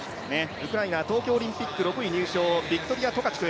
ウクライナ、東京オリンピック６位入賞ビクトリヤ・トカチュク。